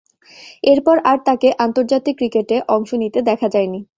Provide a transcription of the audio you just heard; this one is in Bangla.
এরপর আর তাকে আন্তর্জাতিক ক্রিকেটে অংশ নিতে দেখা যায়নি।